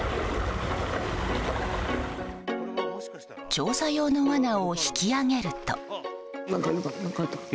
調査用のわなを引き揚げると。